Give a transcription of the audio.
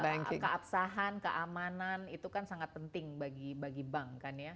karena kan keabsahan keamanan itu kan sangat penting bagi bank kan ya